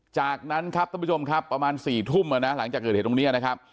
จากนั้นครับท่านผู้ชมครับประมาณ๔ทุ่มหลังจากเกิดเหตุตรงนี้นะครับ